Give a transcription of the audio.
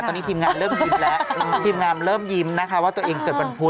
ตอนนี้ทีมงานเริ่มยิ้มแล้วทีมงานเริ่มยิ้มนะคะว่าตัวเองเกิดวันพุธ